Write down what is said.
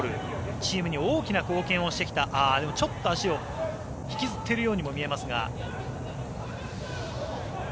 チームに大きな貢献をしてきたちょっと足を引きずっているようにも見えますが。